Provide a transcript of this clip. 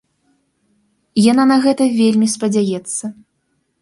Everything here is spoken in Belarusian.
Яна на гэта вельмі спадзяецца.